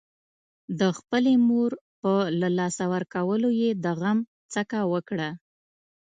د خپلې مور په له لاسه ورکولو يې د غم څکه وکړه.